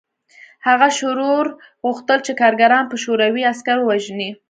هغه شرور غوښتل چې کارګران په شوروي عسکرو ووژني